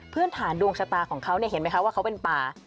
ฐานดวงชะตาของเขาเห็นไหมคะว่าเขาเป็นป่า